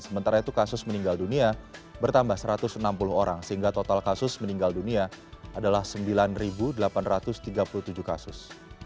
sementara itu kasus meninggal dunia bertambah satu ratus enam puluh orang sehingga total kasus meninggal dunia adalah sembilan delapan ratus tiga puluh tujuh kasus